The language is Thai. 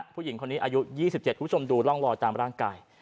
ผู้หญิงคนนี้อายุ๒๗คุณผู้ชมดูร่องรอยตามร่างกาย